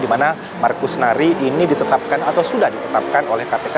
di mana markus nari ini ditetapkan atau sudah ditetapkan oleh kpk